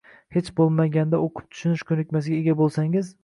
hech bo’lamganda o’qib tushunish ko’nikmasiga ega bo’lsangiz